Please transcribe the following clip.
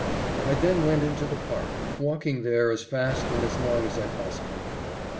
I then went into the park, walking there as fast and as long as I possibly could.